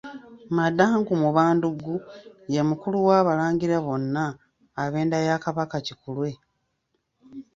Madangu Mabunduggu ye mukulu w'Abalangira bonna ab'enda ya Kabaka Kikulwe.